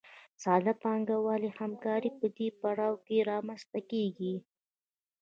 ساده پانګوالي همکاري په دې پړاو کې رامنځته کېږي